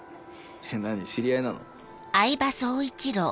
何知り合いなの？